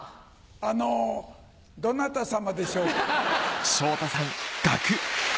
あのどなたさまでしょうか？